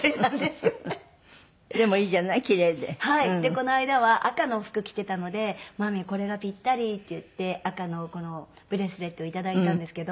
この間は赤の服着てたので真実これがぴったりっていって赤のこのブレスレットをいただいたんですけど。